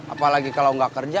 apalagi kalau gak kerja